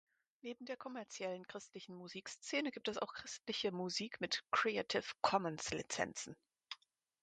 Neben der kommerziellen christlichen Musikszene gibt es auch christliche Musik mit Creative-Commons-Lizenzen.